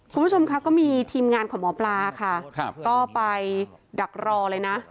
คุณผู้ชมค่ะก็มีทีมงานของหมอปลาค่ะก็ไปดักรอเลยนะ